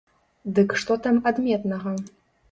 Дык што там адметнага?